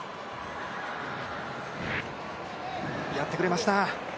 やってくれました。